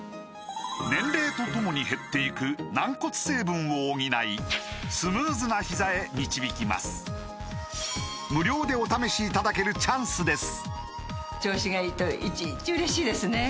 年齢とともに減っていく軟骨成分を補いスムーズなひざへ導きます無料でお試しいただけるチャンスです